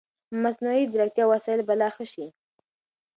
مصنوعي ځیرکتیا وسایل به لا ښه شي.